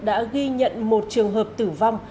đã ghi nhận một trường hợp tử vong